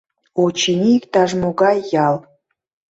Очыни, иктаж-могай ял.